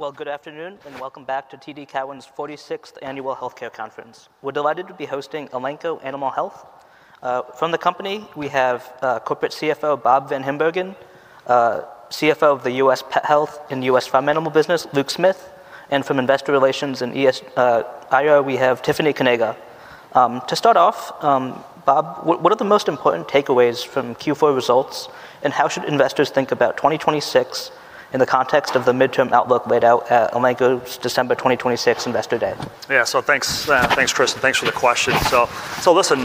Well, well, good afternoon. Welcome back to TD Cowen's 46th Annual Healthcare Conference. We're delighted to be hosting Elanco Animal Health. From the company, we have Corporate CFO, Bob VanHimbergen, CFO of the U.S. Pet Health and U.S. Farm Animal Business, Luke Smith, and from Investor Relations and IR, we have Tiffany Kanaga. To start off, Bob, what are the most important takeaways from Q4 results and how should investors think about 2026 in the context of the midterm outlook laid out at Elanco's December 2026 Investor Day? Thanks, Chris. Thanks for the question. Listen,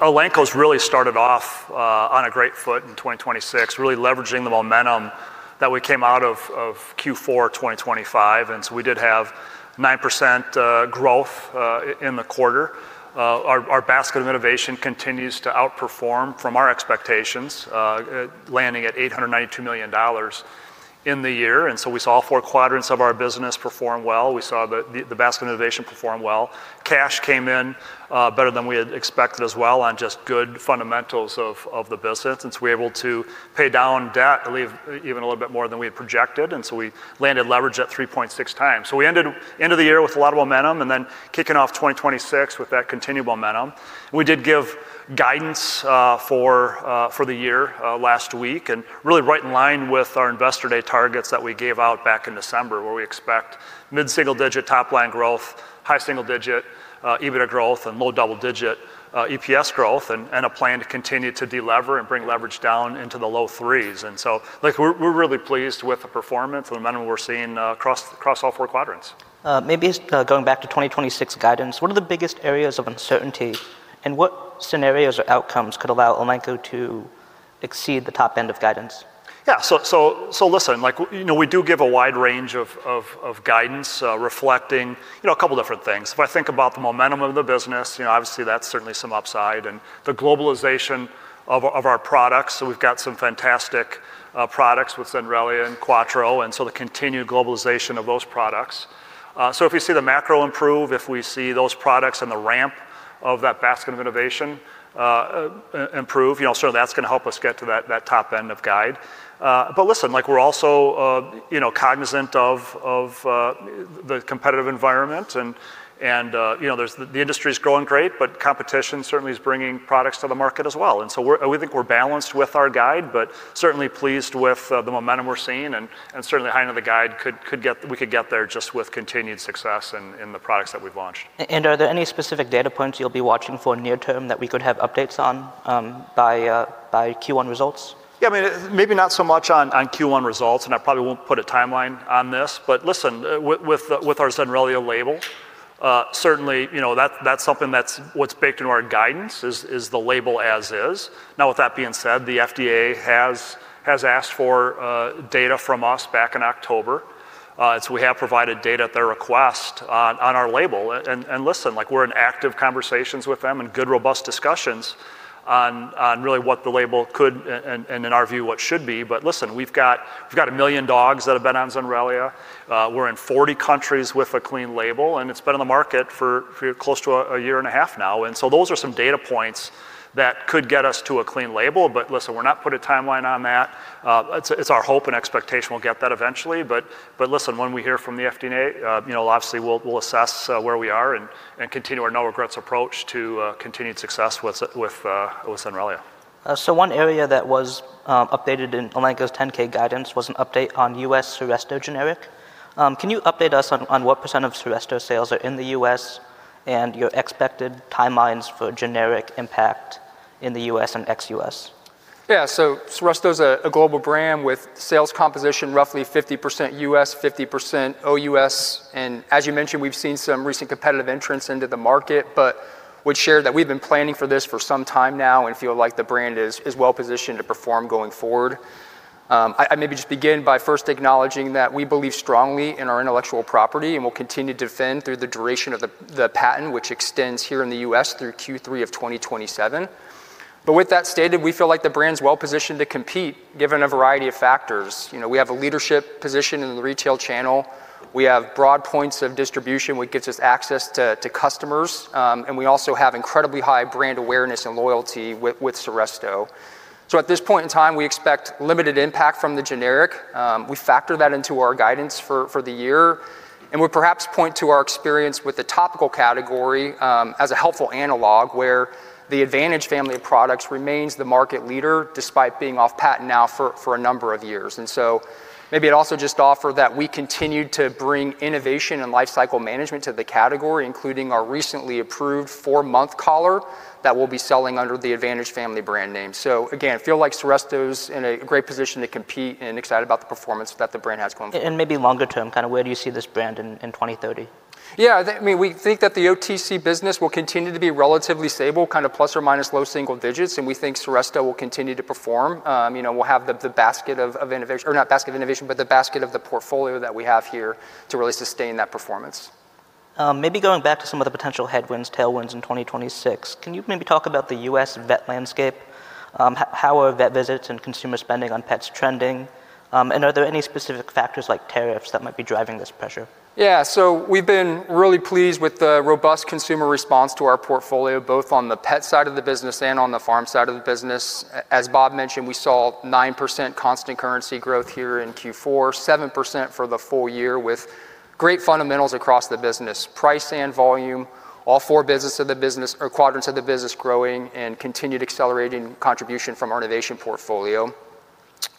Elanco's really started off on a great foot in 2026, really leveraging the momentum that we came out of Q4 2025. We did have 9% growth in the quarter. Our basket of innovation continues to outperform from our expectations, landing at $892 million in the year. We saw all four quadrants of our business perform well. We saw the basket of innovation perform well. Cash came in better than we had expected as well on just good fundamentals of the business. We're able to pay down debt, I believe, even a little bit more than we had projected, and so we landed leverage at 3.6 times. We ended end of the year with a lot of momentum and then kicking off 2026 with that continued momentum. We did give guidance for the year last week, and really right in line with our Investor Day targets that we gave out back in December, where we expect mid-single-digit top line growth, high-single-digit EBITDA growth, and low-double-digit EPS growth, and a plan to continue to de-lever and bring leverage down into the low 3s. Like, we're really pleased with the performance and the momentum we're seeing across all four quadrants. Maybe just going back to 2026 guidance, what are the biggest areas of uncertainty, and what scenarios or outcomes could allow Elanco to exceed the top end of guidance? Listen, like, you know, we do give a wide range of guidance, reflecting, you know, a couple different things. If I think about the momentum of the business, you know, obviously, that's certainly some upside and the globalization of our products. We've got some fantastic products with Zenrelia and Quattro, the continued globalization of those products. If we see the macro improve, if we see those products and the ramp of that basket of innovation, improve, you know, certainly that's gonna help us get to that top end of guide. listen, like, we're also, you know, cognizant of the competitive environment, and, you know, there's the industry's growing great, but competition certainly is bringing products to the market as well. We think we're balanced with our guide, but certainly pleased with the momentum we're seeing and certainly the high end of the guide could get there just with continued success in the products that we've launched. Are there any specific data points you'll be watching for near term that we could have updates on by Q1 results? Yeah, I mean, maybe not so much on Q1 results, and I probably won't put a timeline on this. Listen, with our Zenrelia label, certainly, you know, that's something that's what's baked into our guidance is the label as is. With that being said, the FDA has asked for data from us back in October. We have provided data at their request on our label. Listen, like, we're in active conversations with them and good, robust discussions on really what the label could and in our view, what should be. Listen, we've got 1 million dogs that have been on Zenrelia. We're in 40 countries with a clean label, and it's been on the market for close to a year and a half now. Those are some data points that could get us to a clean label. Listen, we're not putting a timeline on that. It's our hope and expectation we'll get that eventually. Listen, when we hear from the FDA, you know, obviously we'll assess where we are and continue our no regrets approach to continued success with Zenrelia. One area that was updated in Elanco's 10-K guidance was an update on U.S. Seresto generic. Can you update us on what % of Seresto sales are in the U.S. and your expected timelines for generic impact in the U.S. and ex-U.S.? Seresto's a global brand with sales composition roughly 50% US, 50% OUS. As you mentioned, we've seen some recent competitive entrants into the market, but would share that we've been planning for this for some time now and feel like the brand is well positioned to perform going forward. I'd maybe just begin by first acknowledging that we believe strongly in our intellectual property and will continue to defend through the duration of the patent, which extends here in the U.S. through Q3 of 2027. With that stated, we feel like the brand's well-positioned to compete given a variety of factors. You know, we have a leadership position in the retail channel. We have broad points of distribution, which gets us access to customers. We also have incredibly high brand awareness and loyalty with Seresto. At this point in time, we expect limited impact from the generic. We factor that into our guidance for the year. We perhaps point to our experience with the topical category, as a helpful analog, where the Advantage family of products remains the market leader despite being off patent now for a number of years. Maybe I'd also just offer that we continue to bring innovation and lifecycle management to the category, including our recently approved four-month collar that we'll be selling under the Advantage family brand name. Again, feel like Seresto's in a great position to compete and excited about the performance that the brand has going forward. Maybe longer term, kind of where do you see this brand in 2030? I mean, we think that the OTC business will continue to be relatively stable, kind of plus or minus low single digits, and we think Seresto will continue to perform. You know, we'll have the basket of innovation-- or not basket of innovation, but the basket of the portfolio that we have here to really sustain that performance. Maybe going back to some of the potential headwinds, tailwinds in 2026, can you maybe talk about the U.S. vet landscape? How are vet visits and consumer spending on pets trending? Are there any specific factors like tariffs that might be driving this pressure? We've been really pleased with the robust consumer response to our portfolio, both on the pet side of the business and on the farm side of the business. As Bob mentioned, we saw 9% constant currency growth here in Q4, 7% for the full year, with great fundamentals across the business. Price and volume, all four business of the business or quadrants of the business growing and continued accelerating contribution from our innovation portfolio.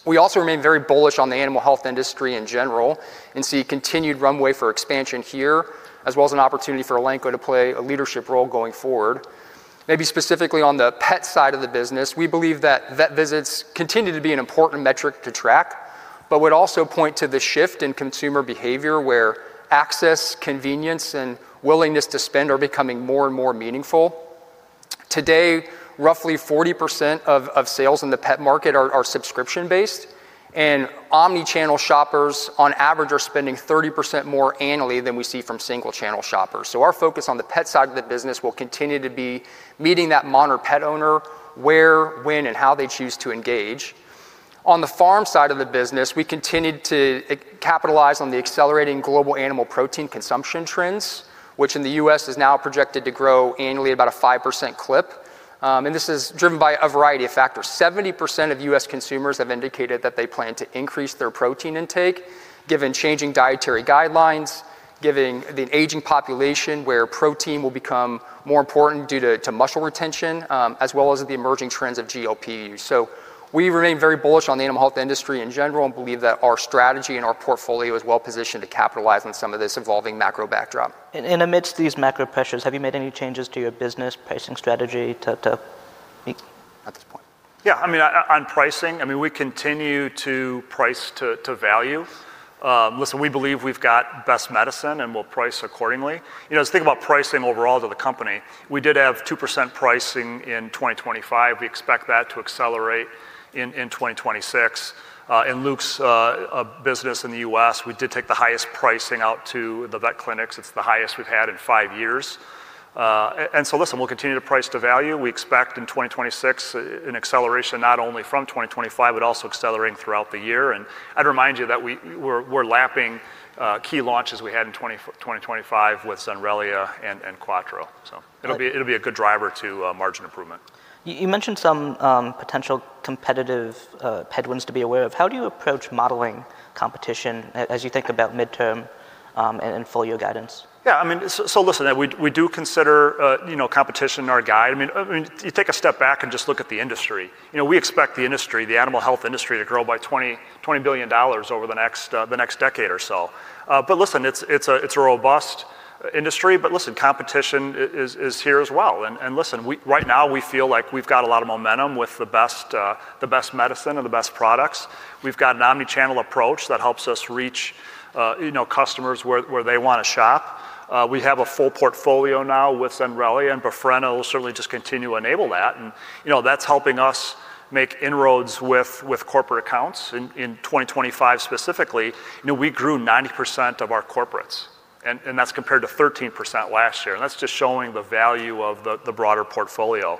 We also remain very bullish on the animal health industry in general and see continued runway for expansion here, as well as an opportunity for Elanco to play a leadership role going forward. Maybe specifically on the pet side of the business, we believe that vet visits continue to be an important metric to track, but would also point to the shift in consumer behavior where access, convenience, and willingness to spend are becoming more and more meaningful. Today, roughly 40% of sales in the pet market are subscription-based, and omnichannel shoppers on average are spending 30% more annually than we see from single-channel shoppers. Our focus on the pet side of the business will continue to be meeting that modern pet owner where, when, and how they choose to engage. On the farm side of the business, we continued to capitalize on the accelerating global animal protein consumption trends, which in the U.S. is now projected to grow annually at about a 5% clip. This is driven by a variety of factors. 70% of U.S. consumers have indicated that they plan to increase their protein intake given changing dietary guidelines, given the aging population where protein will become more important due to muscle retention, as well as the emerging trends of GLP use. We remain very bullish on the animal health industry in general and believe that our strategy and our portfolio is well-positioned to capitalize on some of this evolving macro backdrop. In amidst these macro pressures, have you made any changes to your business pricing strategy to be at this point? Yeah, I mean, on pricing, I mean, we continue to price to value. Listen, we believe we've got the best medicine and we'll price accordingly. You know, think about pricing overall to the company. We did have 2% pricing in 2025. We expect that to accelerate in 2026. In Luke's business in the U.S., we did take the highest pricing out to the vet clinics. It's the highest we've had in five years. Listen, we'll continue to price to value. We expect in 2026 an acceleration not only from 2025, but also accelerating throughout the year. I'd remind you that we're lapping key launches we had in 2025 with Zenrelia and Quattro. It'll be, It'll be a good driver to margin improvement. You mentioned some potential competitive headwinds to be aware of. How do you approach modeling competition as you think about midterm and full year guidance? Yeah, I mean, listen, we do consider, you know, competition in our guide. I mean, you take a step back and just look at the industry. You know, we expect the industry, the animal health industry, to grow by $20 billion over the next decade or so. Listen, it's a robust industry. Listen, competition is here as well. Listen, right now we feel like we've got a lot of momentum with the best medicine and the best products. We've got an omnichannel approach that helps us reach, you know, customers where they wanna shop. We have a full portfolio now with Zenrelia, and Befrena will certainly just continue to enable that. You know, that's helping us make inroads with corporate accounts. In 2025 specifically, you know, we grew 90% of our corporates, and that's compared to 13% last year. That's just showing the value of the broader portfolio.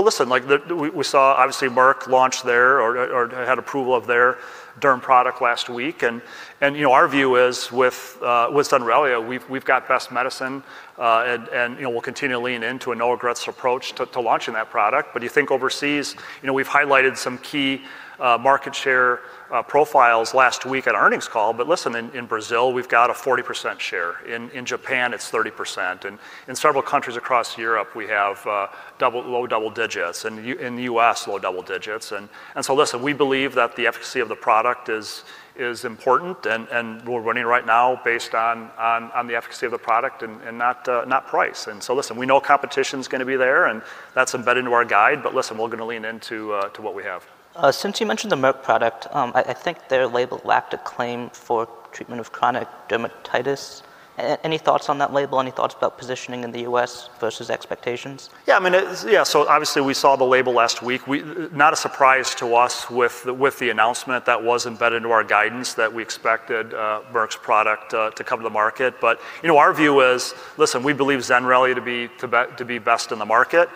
Listen, like, we saw obviously Merck launch their or had approval of their derm product last week. You know, our view is with Zenrelia, we've got best medicine, and, you know, we'll continue to lean into a no regrets approach to launching that product. You think overseas, you know, we've highlighted some key market share profiles last week at earnings call. Listen, in Brazil, we've got a 40% share. In Japan, it's 30%. In several countries across Europe, we have low double digits. In the U.S., low double digits. Listen, we believe that the efficacy of the product is important and we're running right now based on the efficacy of the product and not price. Listen, we know competition's gonna be there, and that's embedded into our guide. Listen, we're gonna lean into to what we have. Since you mentioned the Merck product, I think their label lacked a claim for treatment of chronic dermatitis. Any thoughts on that label? Any thoughts about positioning in the U.S. versus expectations? I mean, yeah, obviously we saw the label last week. Not a surprise to us with the announcement. That was embedded into our guidance that we expected Merck's product to come to the market. You know, our view is, listen, we believe Zenrelia to be best in the market.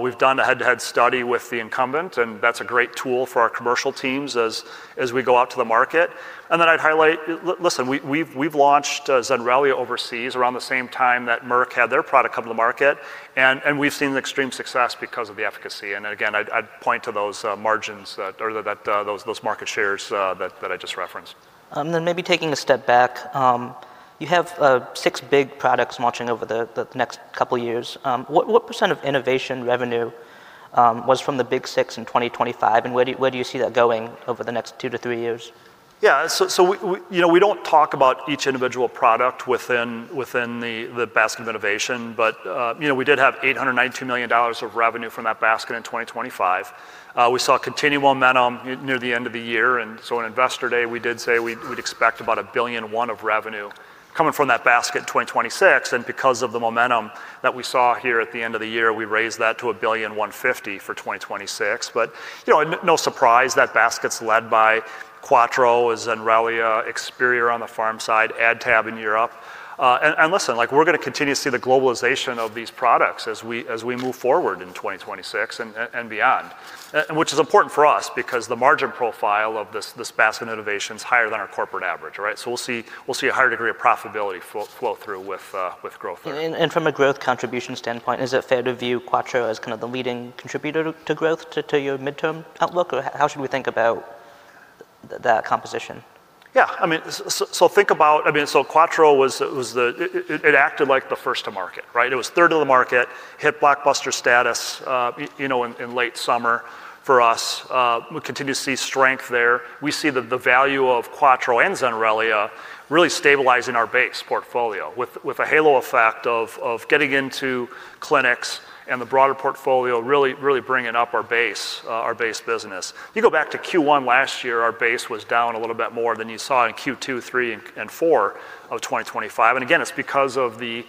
We've done a head-to-head study with the incumbent, and that's a great tool for our commercial teams as we go out to the market. Then I'd highlight-- Listen, we've launched Zenrelia overseas around the same time that Merck had their product come to the market and we've seen extreme success because of the efficacy. Again, I'd point to those margins that or that those market shares that I just referenced. Maybe taking a step back, you have six big products launching over the next couple years. What % of innovation revenue was from the big six in 2025, and where do you see that going over the next two to three years? Yeah. We, you know, we don't talk about each individual product within the basket of innovation. You know, we did have $892 million of revenue from that basket in 2025. We saw continued momentum near the end of the year, on Investor Day, we did say we'd expect about $1.1 billion of revenue coming from that basket in 2026. Because of the momentum that we saw here at the end of the year, we raised that to $1.15 billion for 2026. You know, no surprise, that basket's led by Quattro, Zenrelia, Experior on the farm side, AdTab in Europe. Listen, like, we're gonna continue to see the globalization of these products as we move forward in 2026 and beyond. Which is important for us because the margin profile of this basket of innovation is higher than our corporate average, right? We'll see a higher degree of profitability flow through with growth. From a growth contribution standpoint, is it fair to view Quattro as kind of the leading contributor to growth, to your midterm outlook? Or how should we think about that composition? I mean, so think about I mean, so Quattro was the, it acted like the first to market, right? It was third to the market, hit blockbuster status, you know, in late summer for us. We continue to see strength there. We see the value of Quattro and Zenrelia really stabilizing our base portfolio with a halo effect of getting into clinics and the broader portfolio really bringing up our base business. You go back to Q1 last year, our base was down a little bit more than you saw in Q2, Q3 and Q4 of 2025. Again, it's because of the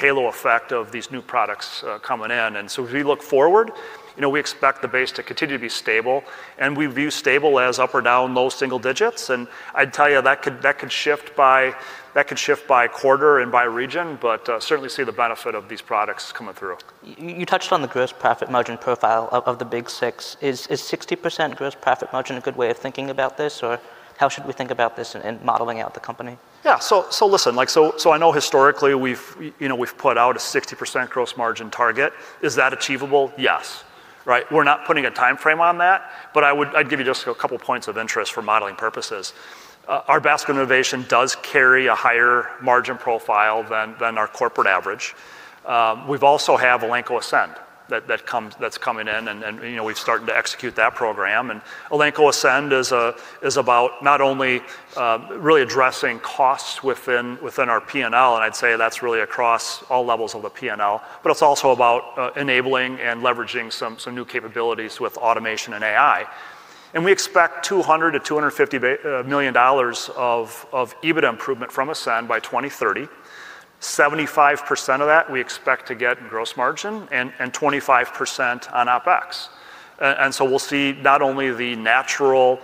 halo effect of these new products coming in. As we look forward, you know, we expect the base to continue to be stable, and we view stable as up or down low single digits. I'd tell you that could shift by quarter and by region, but certainly see the benefit of these products coming through. You touched on the gross profit margin profile of the big six. Is 60% gross profit margin a good way of thinking about this? How should we think about this in modeling out the company? Listen, like, so I know historically we've, you know, we've put out a 60% gross margin target. Is that achievable? Yes. Right? We're not putting a timeframe on that, but I'd give you just a couple points of interest for modeling purposes. Our basket innovation does carry a higher margin profile than our corporate average. We've also have Elanco Ascend that's coming in and, you know, we've started to execute that program. Elanco Ascend is about not only really addressing costs within our P&L, and I'd say that's really across all levels of the P&L, but it's also about enabling and leveraging some new capabilities with automation and AI. We expect $200 million-$250 million of EBITDA improvement from Ascend by 2030. 75% of that we expect to get in gross margin and 25% on OpEx. We'll see not only the natural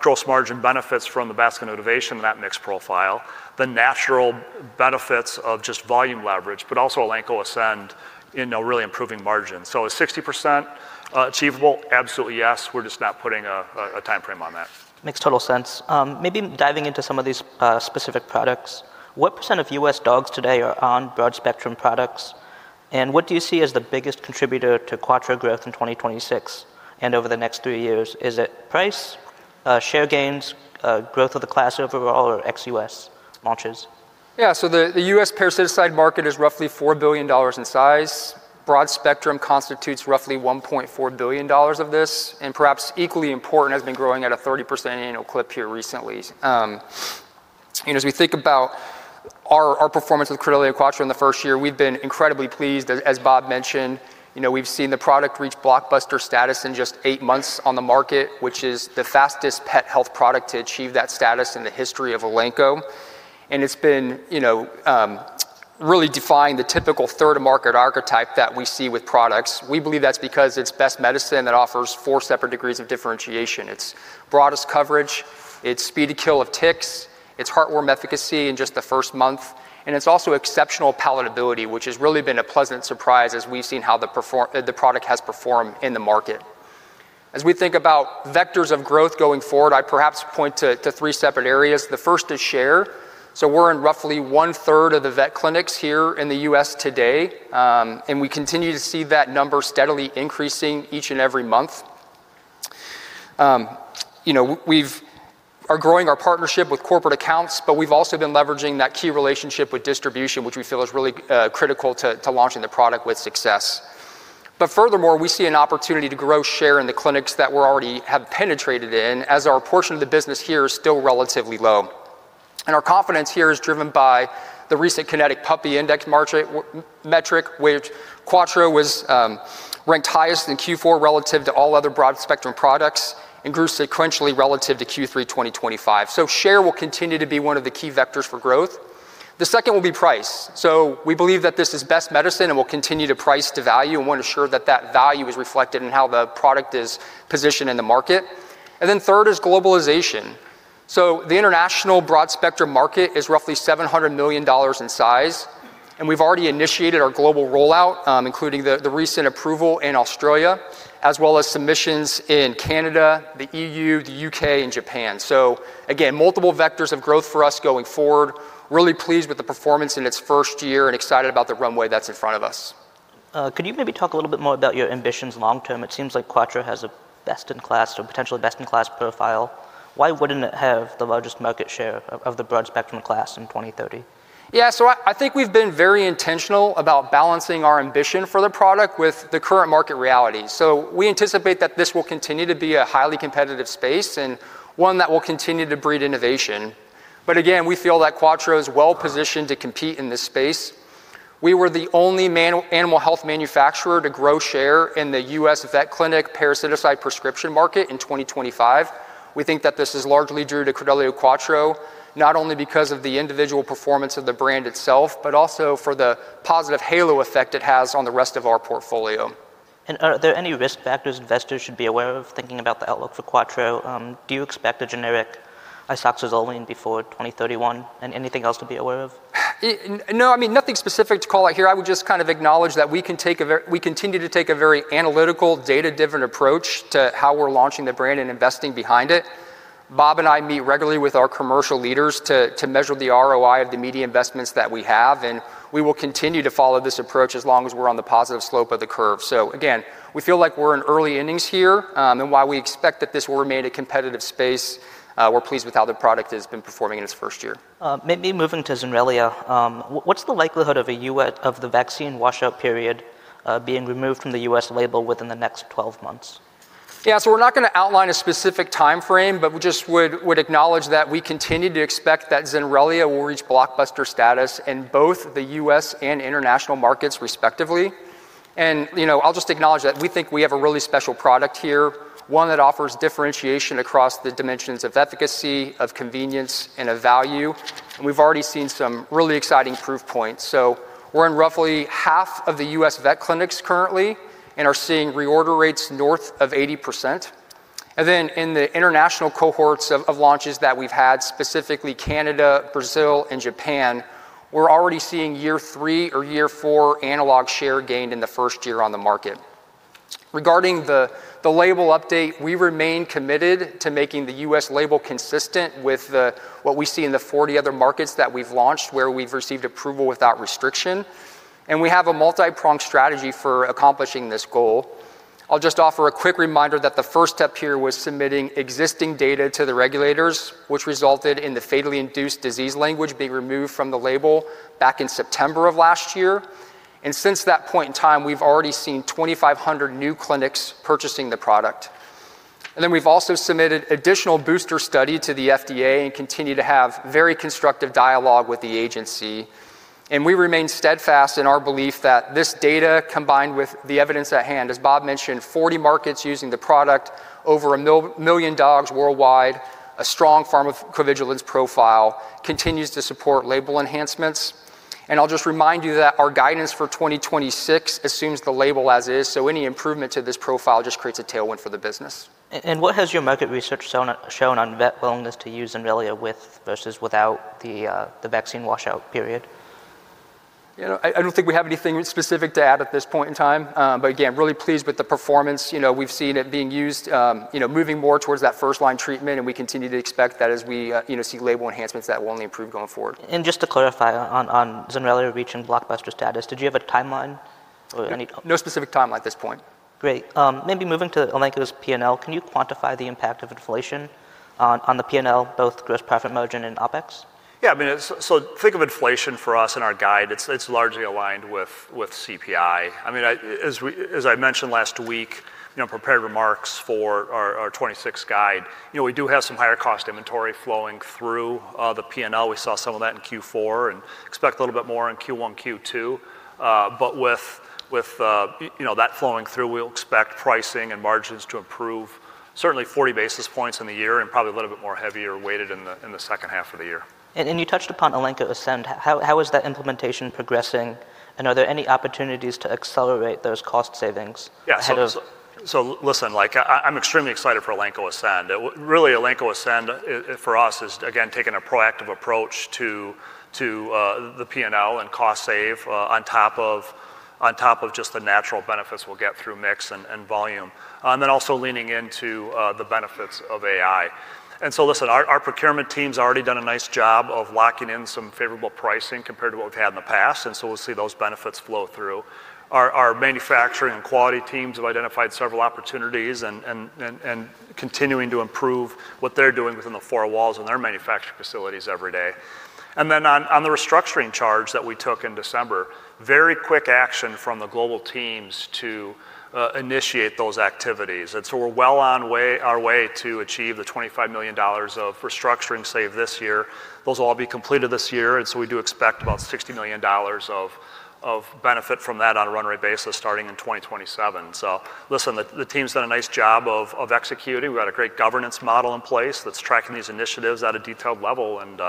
gross margin benefits from the basket of innovation in that mix profile, the natural benefits of just volume leverage, but also Elanco Ascend, you know, really improving margin. Is 60% achievable? Absolutely, yes. We're just not putting a timeframe on that. Makes total sense. Maybe diving into some of these specific products, what % of U.S. dogs today are on broad-spectrum products? What do you see as the biggest contributor to Quattro growth in 2026 and over the next three years? Is it price, share gains, growth of the class overall or ex-U.S. launches? Yeah. The U.S. parasitic market is roughly $4 billion in size. Broad-spectrum constitutes roughly $1.4 billion of this, and perhaps equally important, has been growing at a 30% annual clip here recently. You know, as we think about our performance with Credelio Quattro in the first year, we've been incredibly pleased. As Bob mentioned, you know, we've seen the product reach blockbuster status in just eight months on the market, which is the fastest pet health product to achieve that status in the history of Elanco. It's been, you know, really defying the typical third market archetype that we see with products. We believe that's because it's best medicine that offers four separate degrees of differentiation. Its broadest coverage, its speedy kill of ticks, its heartworm efficacy in just the first month, and its also exceptional palatability, which has really been a pleasant surprise as we've seen how the product has performed in the market. As we think about vectors of growth going forward, I'd perhaps point to three separate areas. The first is share. We're in roughly 1/3 of the vet clinics here in the U.S. today. We continue to see that number steadily increasing each and every month. You know, we've are growing our partnership with corporate accounts, we've also been leveraging that key relationship with distribution, which we feel is really critical to launching the product with success. Furthermore, we see an opportunity to grow share in the clinics that we're already have penetrated in as our portion of the business here is still relatively low. Our confidence here is driven by the recent Kynetec Puppy Index metric, which Quattro was ranked highest in Q4 relative to all other broad-spectrum products and grew sequentially relative to Q3 2025. Share will continue to be one of the key vectors for growth. The second will be price. We believe that this is best medicine and we'll continue to price to value and wanna ensure that that value is reflected in how the product is positioned in the market. Third is globalization. The international broad-spectrum market is roughly $700 million in size, and we've already initiated our global rollout, including the recent approval in Australia, as well as submissions in Canada, the EU, the U.K. and Japan. Again, multiple vectors of growth for us going forward, really pleased with the performance in its first year and excited about the runway that's in front of us. Could you maybe talk a little bit more about your ambitions long term? It seems like Quattro has a best in class or potentially best in class profile. Why wouldn't it have the largest market share of the broad-spectrum class in 2030? Yeah. I think we've been very intentional about balancing our ambition for the product with the current market reality. We anticipate that this will continue to be a highly competitive space and one that will continue to breed innovation. Again, we feel that Quattro is well-positioned to compete in this space. We were the only animal health manufacturer to grow share in the U.S. vet clinic parasitic prescription market in 2025. We think that this is largely due to Credelio Quattro, not only because of the individual performance of the brand itself, but also for the positive halo effect it has on the rest of our portfolio. Are there any risk factors investors should be aware of thinking about the outlook for Quattro? Do you expect a generic isoxazoline before 2031 and anything else to be aware of? No, I mean, nothing specific to call out here. I would just kind of acknowledge that we continue to take a very analytical, data-driven approach to how we're launching the brand and investing behind it. Bob and I meet regularly with our commercial leaders to measure the ROI of the media investments that we have, and we will continue to follow this approach as long as we're on the positive slope of the curve. Again, we feel like we're in early innings here, and while we expect that this will remain a competitive space, we're pleased with how the product has been performing in its first year. Maybe moving to Zenrelia. What's the likelihood of the vaccine washout period being removed from the U.S. label within the next 12 months? We're not gonna outline a specific timeframe, but we just would acknowledge that we continue to expect that Zenrelia will reach blockbuster status in both the U.S. and international markets respectively. You know, I'll just acknowledge that we think we have a really special product here, one that offers differentiation across the dimensions of efficacy, of convenience and of value, and we've already seen some really exciting proof points. We're in roughly half of the U.S. vet clinics currently and are seeing reorder rates north of 80%. Then in the international cohorts of launches that we've had, specifically Canada, Brazil and Japan, we're already seeing year three or year four analog share gained in the first year on the market. Regarding the label update, we remain committed to making the U.S. label consistent with the. We see in the 40 other markets that we've launched where we've received approval without restriction. We have a multipronged strategy for accomplishing this goal. I'll just offer a quick reminder that the first step here was submitting existing data to the regulators, which resulted in the fatally induced disease language being removed from the label back in September of last year. Since that point in time, we've already seen 2,500 new clinics purchasing the product. We've also submitted additional booster study to the FDA and continue to have very constructive dialogue with the agency. We remain steadfast in our belief that this data, combined with the evidence at hand, as Bob mentioned, 40 markets using the product, over a million dogs worldwide, a strong pharmacovigilance profile, continues to support label enhancements. I'll just remind you that our guidance for 2026 assumes the label as is, so any improvement to this profile just creates a tailwind for the business. What has your market research shown on vet willingness to use Zenrelia with versus without the vaccine washout period? You know, I don't think we have anything specific to add at this point in time. Again, really pleased with the performance. You know, we've seen it being used, you know, moving more towards that first line treatment, and we continue to expect that as we, you know, see label enhancements that will only improve going forward. Just to clarify on Zenrelia reaching blockbuster status, did you have a timeline or? No specific timeline at this point. Great. Maybe moving to Elanco's P&L. Can you quantify the impact of inflation on the P&L, both gross profit margin and OpEx? I mean, it's. Think of inflation for us in our guide. It's largely aligned with CPI. I mean, as I mentioned last week, you know, prepared remarks for our 2026 guide, you know, we do have some higher cost inventory flowing through the P&L. We saw some of that in Q4 and expect a little bit more in Q1, Q2. But with, you know, that flowing through, we'll expect pricing and margins to improve certainly 40 basis points in the year and probably a little bit more heavier weighted in the second half of the year. You touched upon Elanco Ascend. How is that implementation progressing, and are there any opportunities to accelerate those cost savings ahead of? Yeah. listen, like I'm extremely excited for Elanco Ascend. Really Elanco Ascend for us is again, taking a proactive approach to the P&L and cost save on top of just the natural benefits we'll get through mix and volume. also leaning into the benefits of AI. listen, our procurement team's already done a nice job of locking in some favorable pricing compared to what we've had in the past. We'll see those benefits flow through. Our manufacturing and quality teams have identified several opportunities and continuing to improve what they're doing within the four walls in their manufacturing facilities every day. On the restructuring charge that we took in December, very quick action from the global teams to initiate those activities. We're well on our way to achieve the $25 million of restructuring save this year. Those will all be completed this year. We do expect about $60 million of benefit from that on a run rate basis starting in 2027. Listen, the team's done a nice job of executing. We've got a great governance model in place that's tracking these initiatives at a detailed level and,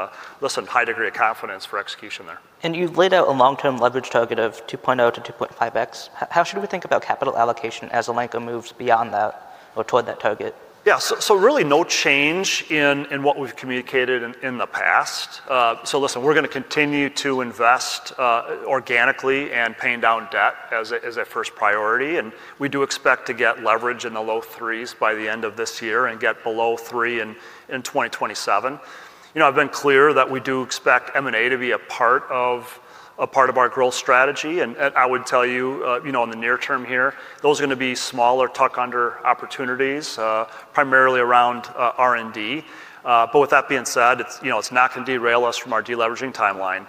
listen, high degree of confidence for execution there. You've laid out a long-term leverage target of 2.0 to 2.5x. How should we think about capital allocation as Elanco moves beyond that or toward that target? Yeah. Really no change in what we've communicated in the past. Listen, we're gonna continue to invest organically and paying down debt as a first priority, and we do expect to get leverage in the low threes by the end of this year and get below three in 2027. You know, I've been clear that we do expect M&A to be a part of our growth strategy, and I would tell you know, in the near term here, those are gonna be smaller tuck under opportunities, primarily around R&D. With that being said, it's, you know, it's not gonna derail us from our deleveraging timeline.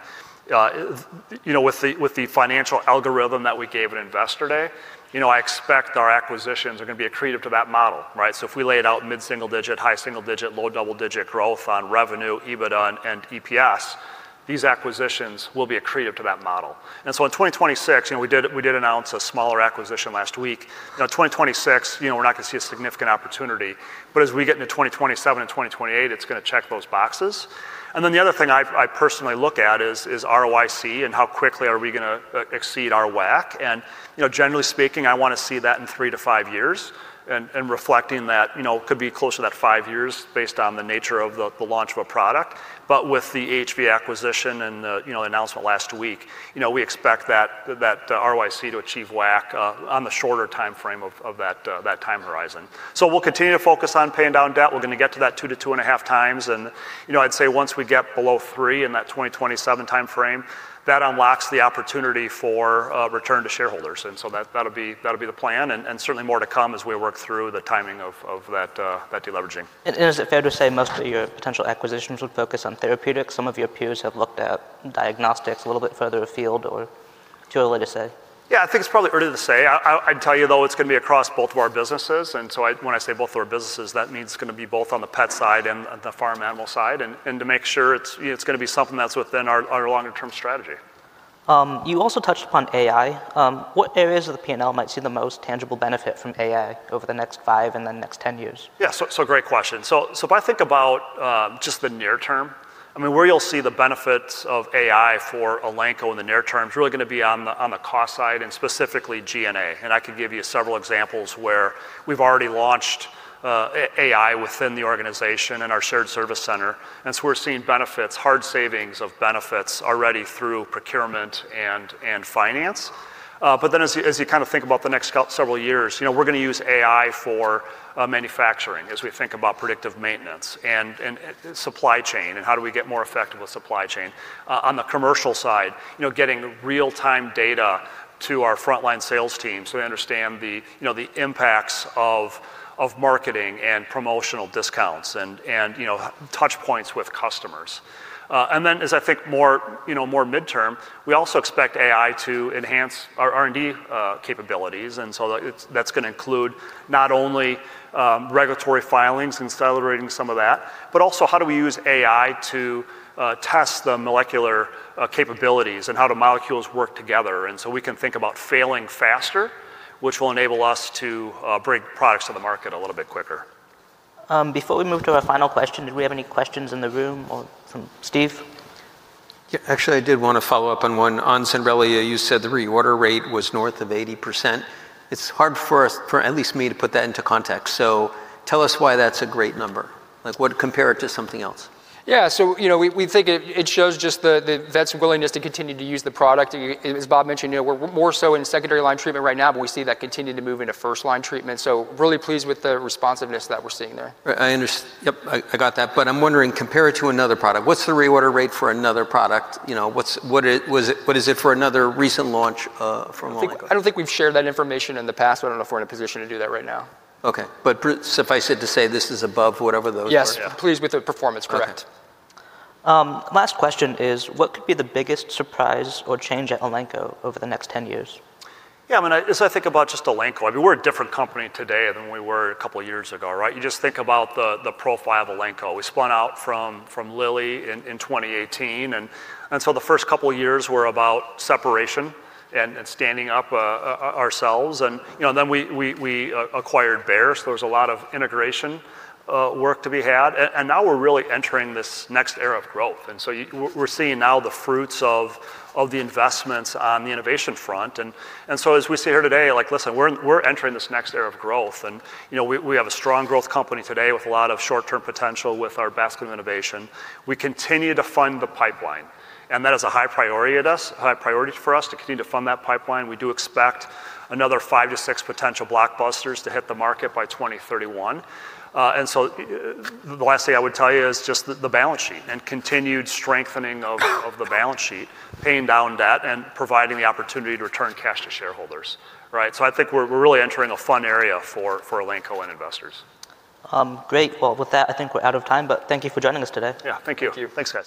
You know, with the, with the financial algorithm that we gave at Investor Day, you know, I expect our acquisitions are gonna be accretive to that model, right? If we laid out mid-single digit, high single digit, low double digit growth on revenue, EBITDA and EPS, these acquisitions will be accretive to that model. In 2026, you know, we did announce a smaller acquisition last week. You know, 2026, you know, we're not gonna see a significant opportunity. As we get into 2027 and 2028, it's gonna check those boxes. The other thing I personally look at is ROIC and how quickly are we gonna exceed our WACC. You know, generally speaking, I want to see that in three-five years and, reflecting that, you know, could be closer to that five years based on the nature of the launch of a product. With the AHV acquisition and the, you know, announcement last week, you know, we expect that ROIC to achieve WACC on the shorter timeframe of that time horizon. We'll continue to focus on paying down debt. We're gonna get to that 2-2.5 times. You know, I'd say once we get below 3 in that 2027 timeframe, that unlocks the opportunity for return to shareholders. So that'll be the plan and certainly more to come as we work through the timing of that deleveraging. Is it fair to say most of your potential acquisitions would focus on therapeutics? Some of your peers have looked at diagnostics a little bit further afield or too early to say? I think it's probably early to say. I'd tell you though, it's gonna be across both of our businesses, when I say both of our businesses, that means it's gonna be both on the pet side and the farm animal side and to make sure it's, you know, it's gonna be something that's within our longer-term strategy. You also touched upon AI. What areas of the P&L might see the most tangible benefit from AI over the next five and the next 10 years? Great question. If I think about just the near term, I mean, where you'll see the benefits of AI for Elanco in the near term is really gonna be on the cost side, and specifically G&A. I could give you several examples where we've already launched AI within the organization in our shared service center, we're seeing benefits, hard savings of benefits already through procurement and finance. As you kinda think about the next several years, you know, we're gonna use AI for manufacturing as we think about predictive maintenance and supply chain and how do we get more effective with supply chain. On the commercial side, you know, getting real-time data to our frontline sales team so we understand the, you know, the impacts of marketing and promotional discounts and, you know, touchpoints with customers. As I think more, you know, more midterm, we also expect AI to enhance our R&D capabilities, and so that's gonna include not only regulatory filings and accelerating some of that, but also how do we use AI to test the molecular capabilities and how do molecules work together. We can think about failing faster, which will enable us to bring products to the market a little bit quicker. Before we move to our final question, did we have any questions in the room or from Steve? Yeah. Actually, I did wanna follow up on one. On Zenrelia, you said the reorder rate was north of 80%. It's hard for us, for at least me, to put that into context. Tell us why that's a great number. Like, what? Compare it to something else. Yeah. You know, we think it shows just the vet's willingness to continue to use the product. You know, as Bob mentioned, you know, we're more so in secondary line treatment right now, but we see that continuing to move into first line treatment. Really pleased with the responsiveness that we're seeing there. Right. Yep, I got that, but I'm wondering, compare it to another product. What's the reorder rate for another product? You know, What is it for another recent launch from Elanco? I don't think we've shared that information in the past. I don't know if we're in a position to do that right now. Okay. suffice it to say, this is above whatever those are? Yes. Pleased with the performance. Correct. Last question is, what could be the biggest surprise or change at Elanco over the next ten years? Yeah, I mean, as I think about just Elanco, I mean, we're a different company today than we were a couple years ago, right? You just think about the profile of Elanco. We spun out from Lilly in 2018. So the first couple years were about separation and standing up ourselves. You know, then we acquired Bayer, so there was a lot of integration work to be had. Now we're really entering this next era of growth. We're seeing now the fruits of the investments on the innovation front. So as we sit here today, like, listen, we're entering this next era of growth. You know, we have a strong growth company today with a lot of short-term potential with our basket of innovation. We continue to fund the pipeline, and that is a high priority for us to continue to fund that pipeline. We do expect another five to six potential blockbusters to hit the market by 2031. The last thing I would tell you is just the balance sheet and continued strengthening of the balance sheet, paying down debt and providing the opportunity to return cash to shareholders, right? I think we're really entering a fun area for Elanco and investors. Great. With that, I think we're out of time, but thank you for joining us today. Yeah. Thank you. Thank you. Thanks, guys.